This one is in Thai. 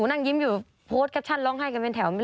ขักเปล่าตอนถ้านี้